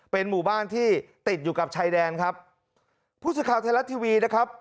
เป็นหมู่บ้านที่ติดอยู่กับชายแดนครับผู้สื่อข่าวไทยรัฐทีวีนะครับ